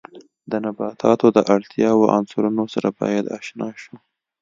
د نباتاتو د اړتیاوو عنصرونو سره باید آشنا شو.